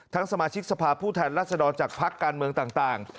สมาชิกสภาพผู้แทนรัศดรจากพักการเมืองต่าง